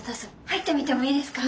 入ってみてもいいですか？